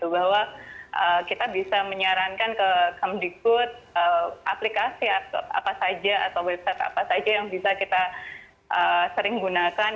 bahwa kita bisa menyarankan ke kemenbud aplikasi atau website apa saja yang bisa kita sering gunakan